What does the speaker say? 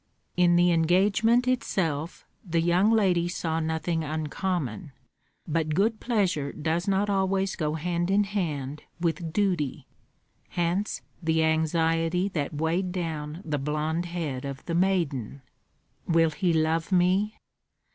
In the engagement itself the young lady saw nothing uncommon; but good pleasure does not always go hand in hand with duty; hence the anxiety that weighed down the blond head of the maiden. "Will he love me?"